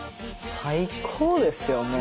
最高ですよ